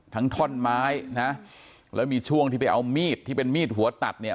ท่อนไม้นะแล้วมีช่วงที่ไปเอามีดที่เป็นมีดหัวตัดเนี่ย